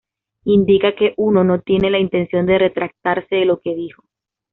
Indica que uno no tiene la intención de retractarse de lo que dijo.